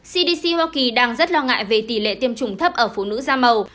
cdc hoa kỳ đang rất lo ngại về tỷ lệ tiêm chủng thấp ở phụ nữ da màu